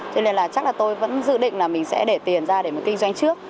cho nên là chắc là tôi vẫn dự định là mình sẽ để tiền ra để mà kinh doanh trước